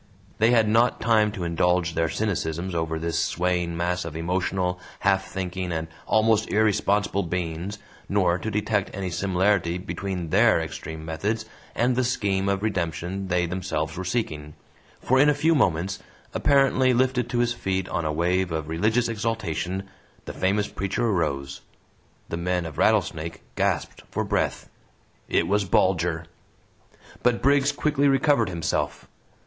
They had not time to indulge their cynicisms over this swaying mass of emotional, half thinking, and almost irresponsible beings, nor to detect any similarity between THEIR extreme methods and the scheme of redemption they themselves were seeking, for in a few moments, apparently lifted to his feet on a wave of religious exultation, the famous preacher arose. The men of Rattlesnake gasped for breath. It was Bulger! But Briggs quickly recovered himself.